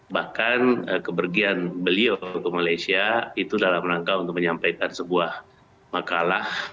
bahkan kepergian beliau ke malaysia itu dalam rangka untuk menyampaikan sebuah makalah